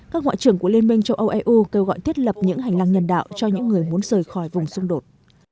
các ngoại trưởng của liên minh châu âu eu kêu gọi thiết lập những hành lang nhân đạo cho những người muốn rời khỏi vùng xung đột